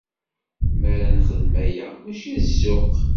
Mer ad nexdem aya, mačči d ssuq.